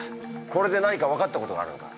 これで何か分かったことがあるのか？